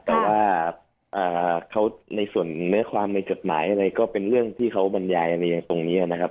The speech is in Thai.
แต่ว่าเขาในส่วนเนื้อความในจดหมายอะไรก็เป็นเรื่องที่เขาบรรยายอะไรตรงนี้นะครับ